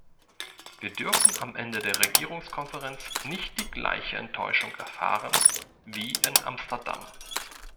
Wir dürfen am Ende der Regierungskonferenz nicht die gleiche Enttäuschung erfahren wie in Amsterdam.